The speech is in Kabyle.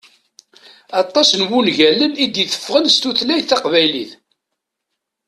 Aṭas n wungalen i d-iteffɣen s tutlayt taqbaylit.